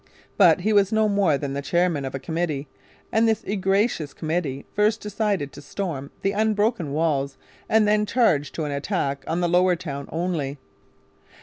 But he was no more than the chairman of a committee; and this egregious committee first decided to storm the unbroken walls and then changed to an attack on the Lower Town only.